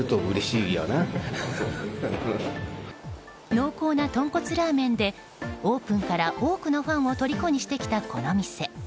濃厚な豚骨ラーメンでオープンから多くのファンをとりこにしてきた、この店。